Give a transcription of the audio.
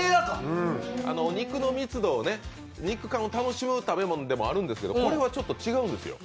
肉の密度を、肉感を楽しむ食べ物ではあるんですけどこれはちょっと違うんですよ。